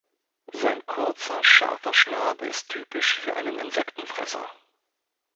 Sein kurzer scharfer Schnabel ist typisch für einen Insektenfresser.